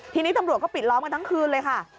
ทีนี้ตำรวจก็ปิดล้อมกันทั้งคืนเลยค่ะ